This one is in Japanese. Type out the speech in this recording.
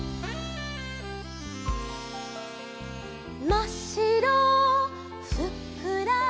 「まっしろふっくら」